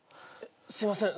すいません